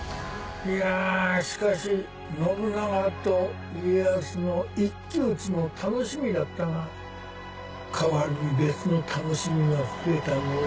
いやぁしかし信長と家康の一騎打ちも楽しみだったが代わりに別の楽しみが増えたのう。